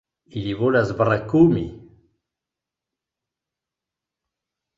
Ili volas brakumi!